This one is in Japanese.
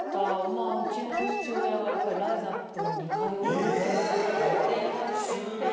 まあうちの父親がやっぱりライザップに通うって言い始めて。